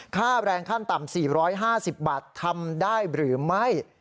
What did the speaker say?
ค่าแรงขั้นต่ำ๔๕๐บาททำได้หรือไม่